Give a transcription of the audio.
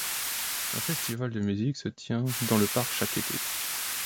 Un festival de musique se tient dans le parc chaque été.